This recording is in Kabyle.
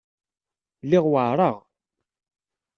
Lliɣ weɛṛeɣ.